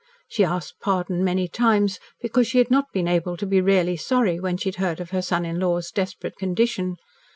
She asked pardon many times because she had not been able to be really sorry when she had heard of her son in law's desperate condition.